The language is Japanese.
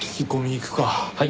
はい。